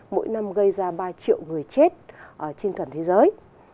mỗi năm gây ra ba triệu người chết trên toàn thế giới